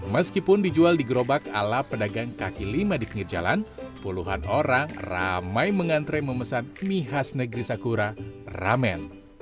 meskipun dijual di gerobak ala pedagang kaki lima di penginjalan puluhan orang ramai mengantre memesan mie khas negeri sakura ramen